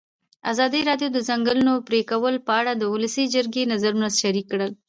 ازادي راډیو د د ځنګلونو پرېکول په اړه د ولسي جرګې نظرونه شریک کړي.